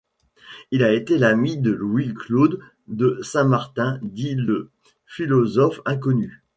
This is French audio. Il a été l'ami de Louis-Claude de Saint-Martin dit Le Philosophe inconnu.